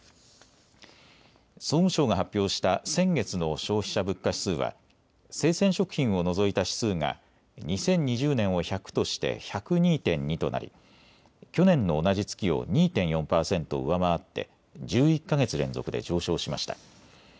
総務省が発表した先月の消費者物価指数は生鮮食品を除いた指数が２０２０年を１００として１０２．２となり去年の同じ月を２．４％上回って１１か月連続で上昇しました。